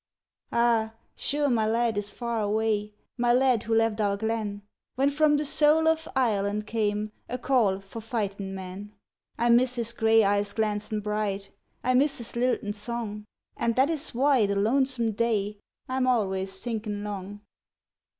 Ah, sure my lad is far away! My lad who left our glen When from the soul of Ireland came A call for fightin' men; I miss his gray eyes glancin' bright, I miss his liltin' song, And that is why, the lonesome day, I'm always thinkin' long.